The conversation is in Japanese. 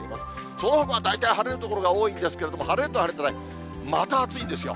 そのほかは大体晴れる所が多いんですけれども、晴れたら晴れたで、また暑いんですよ。